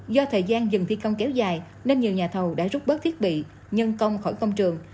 do thời gian dừng thi công kéo dài nên nhiều nhà thầu đã rút bớt thiết bị nhân công khỏi công trường